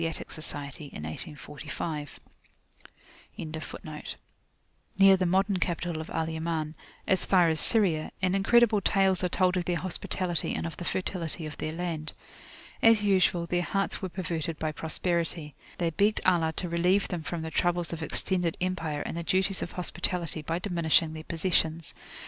[FN#14] Their sway extended two months' journey from the dyke of Mareb,[FN#15] near the modern capital of Al Yaman, as far as Syria, and incredible tales are told of their hospitality and of the fertility of their land. As usual, their hearts were perverted by prosperity. They begged Allah to relieve them from the troubles of extended empire and the duties of hospitality by diminishing their possessions.